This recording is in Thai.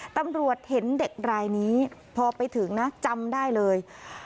ตำรวจเห็นเด็กรายนี้พอไปถึงนะจำได้เลย